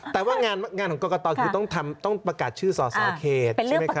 แต่ว่างานของกรกตคือต้องประกาศชื่อสสเขต